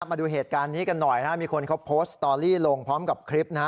มาดูเหตุการณ์นี้กันหน่อยนะมีคนเขาโพสต์สตอรี่ลงพร้อมกับคลิปนะฮะ